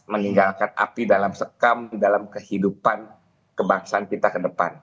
meninggalkan api dalam sekam dalam kehidupan kebangsaan kita ke depan